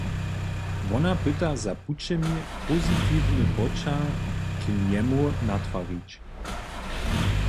Wona pyta za pućemi, pozitiwny poćah k njemu natwarić.